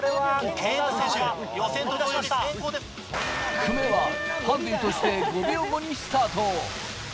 久米はハンディとして５秒後にスタート。